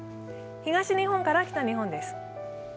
東日本から北日本です。